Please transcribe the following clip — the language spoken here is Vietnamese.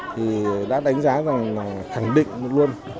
thì đã đánh giá rằng khẳng định luôn